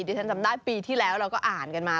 ที่ฉันจำได้ปีที่แล้วเราก็อ่านกันมา